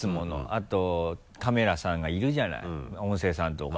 あとカメラさんがいるじゃない音声さんとか。